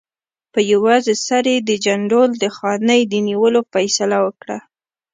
په یوازې سر یې د جندول د خانۍ د نیولو فیصله وکړه.